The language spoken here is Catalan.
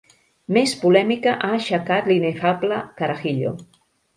Més polèmica ha aixecat l'inefable "carajillo".